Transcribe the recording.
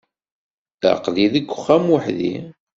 Aql-i deg uxxam weḥdi.